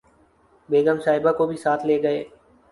بیگم صاحبہ کو بھی ساتھ لے گئے